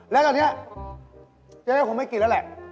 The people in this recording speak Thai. แล้วตอนนี้เจ๊ก็คงไม่กินแล้วแหละ